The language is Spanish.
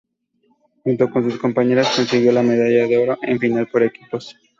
Junto con sus compañeras consiguió la medalla de oro en la final por equipos.